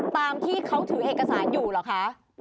ตามที่เขาถือเอกสารอยู่เหรอคะ